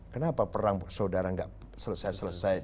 kenapa perang saudara tidak selesai selesai